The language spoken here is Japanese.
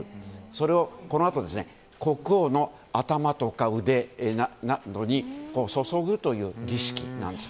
それをこのあと国王の頭とか腕などに注ぐという儀式なんです。